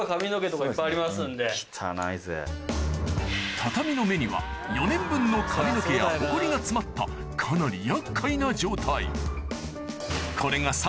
畳の目には４年分の髪の毛やホコリが詰まったかなり厄介な状態